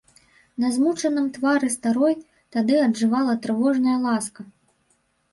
На змучаным твары старой тады аджывала трывожная ласка.